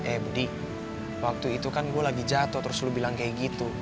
eh budi waktu itu kan gue lagi jatuh terus lo bilang kayak gitu